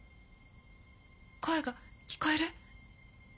声が聞こえる？